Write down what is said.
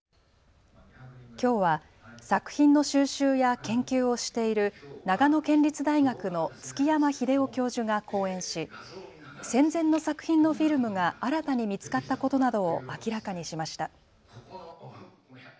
きょうは作品の収集や研究をしている長野県立大学の築山秀夫教授が講演し戦前の作品のフィルムが新たに見つかったことなどを明らかにしました。